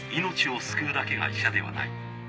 命を救うだけが医者ではない。